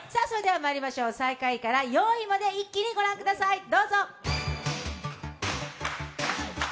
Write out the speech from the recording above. それではまいりましょう最下位から４位まで一気に御覧ください。